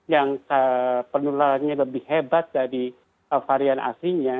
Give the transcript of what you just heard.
yang penularannya lebih hebat dari varian aslinya